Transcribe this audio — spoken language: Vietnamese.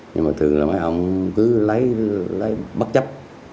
nhưng mà thường là mấy ông cứ lấy bất chấp